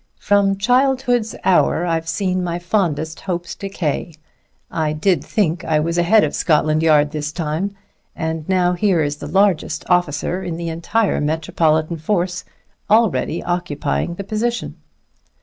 "From childhood's hour I've seen my fondest hopes decay. I did think I was ahead of Scotland Yard this time, and now here is the largest officer in the entire Metropolitan force already occupying the position."